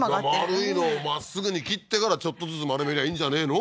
丸いのをまっすぐに切ってからちょっとずつ丸めりゃいいんじゃねえの？